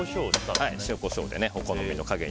塩、コショウでお好みの加減に。